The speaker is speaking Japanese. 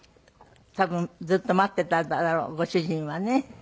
多分ずっと待っていただろうご主人はね